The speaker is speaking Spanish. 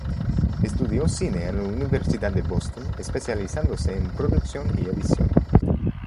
Estudió cine en la Universidad de Boston, especializándose en producción y edición.